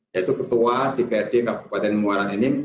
yaitu ketua dprd kabupaten muara ini